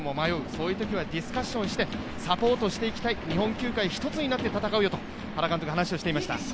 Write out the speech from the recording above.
そういうときはディスカッションしてサポートしていきたい、日本球界一つになって戦うよと、原監督は話をしていました。